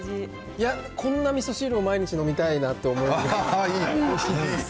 いや、こんなみそ汁を毎日飲みたいなと思いましたね。